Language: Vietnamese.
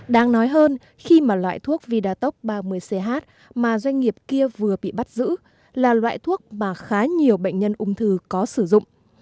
đáng nói hơn khi mà loại thuốc vidatok ba mươi ch mà doanh nghiệp kia vừa bị bắt giữ là loại thuốc mà khá nhiều bệnh nhân ung thư có sử dụng